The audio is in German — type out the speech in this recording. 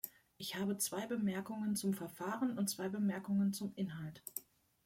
Ich habe zwei Bemerkungen zum Verfahren und zwei Bemerkungen zum Inhalt.